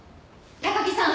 高木さん！